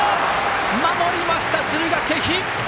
守りました、敦賀気比！